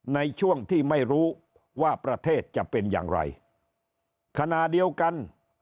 ในช่วงที่ไม่รู้ว่าประเทศจะเป็นอย่างไรขณะเดียวกัน